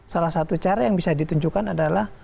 salah satu cara yang bisa ditunjukkan adalah